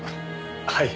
はい。